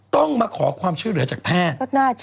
ต้องมาขอความช่วยเหลือจากแพทย์